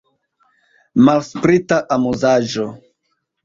Malsprita amuzaĵo!